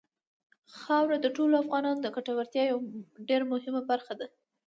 خاوره د ټولو افغانانو د ګټورتیا یوه ډېره مهمه برخه ده.